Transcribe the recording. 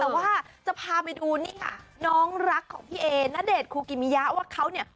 แต่ว่าจะพาไปดูนี่ค่ะน้องรักของพี่เอณเดชนคูกิมิยะว่าเขาเนี่ย